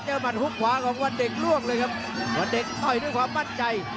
หมัดฮุกขวาของวันเด็กล่วงเลยครับวันเด็กต่อยด้วยความมั่นใจ